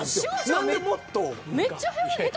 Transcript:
何でもっと。